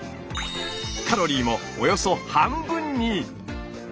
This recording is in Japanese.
カロリーもおよそ半分に！